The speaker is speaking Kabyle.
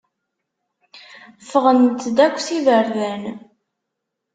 Ffɣent-d akk s iberdan.